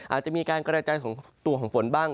อาจจะมีการกระจายของตัวของฝนบ้าง